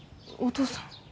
お父さん